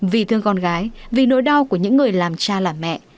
vì thương con gái vì nỗi đau của những người làm cha làm mẹ